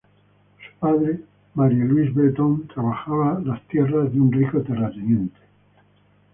Su padre, Marie-Louis Breton, trabajaba las tierras de un rico terrateniente.